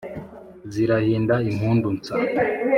zirahinda impundu nsa